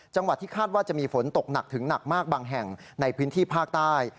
จังหวัดที่คาดว่าจะมีฝนตกหนักถึงหนักมากบางแห่งในพื้นที่ภาคใต้